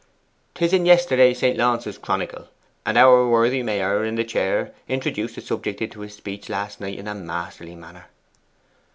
''Tis in yesterday's St. Launce's Chronicle; and our worthy Mayor in the chair introduced the subject into his speech last night in a masterly manner.